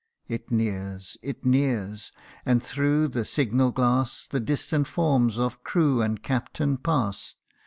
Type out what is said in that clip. It nears it nears and through the signal glass, The distant forms of crew and captain pass.